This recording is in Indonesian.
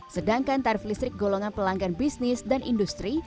sedangkan tarif listrik golongan pelanggan bisnis dan industri